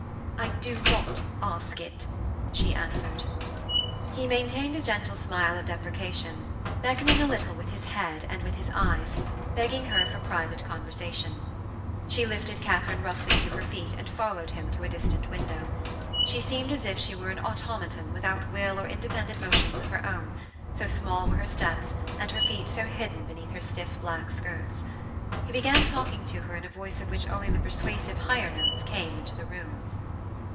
'I do not ask it,' she answered. He maintained a gentle smile of deprecation, beckoning a little with his head and with his eyes, begging her for private conversation. She lifted Katharine roughly to her feet and followed him to a distant window. She seemed as if she were an automaton without will or independent motions of her own, so small were her steps and her feet so hidden beneath her stiff black skirts. He began talking to her in a voice of which only the persuasive higher notes came into the room.